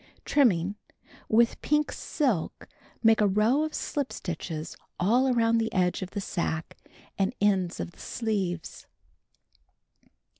^ Trimming. — With pink silk, make a row of slip stitches all around the edge of the sacque, and ends of the sleeves.